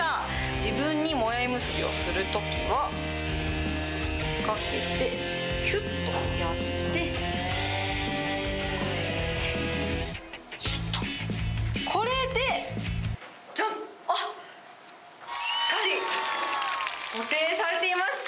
自分にもやい結びをするときは、かけて、きゅっとやって、持ち替えてこれで、あっ、しっかり固定されています。